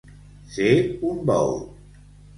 Ser un bou.